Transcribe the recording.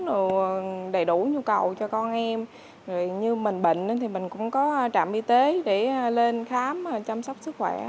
nó đầy đủ nhu cầu cho con em như mình bệnh thì mình cũng có trạm y tế để lên khám chăm sóc sức khỏe